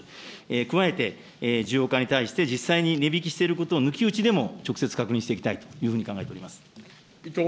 加えて、事業化に対して、実際に値引きしていることを抜き打ちでも直接確認していきたいというふうに考えております。